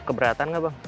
keberatan nggak bang